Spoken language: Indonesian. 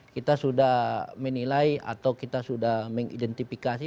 kita sudah menilai atau kita sudah mengidentifikasi